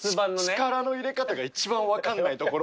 力の入れ方が一番わかんないところ。